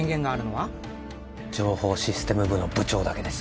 はい情報システム部の部長だけです